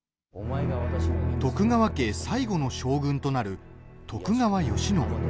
徳川家最後の将軍となる徳川慶喜。